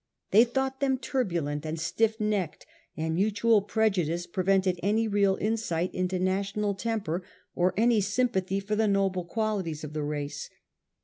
They thought them turbulent and stiff necked, and mutual prejudice prevented any real insight into national temper or any sympathy for the noble qualities of the race.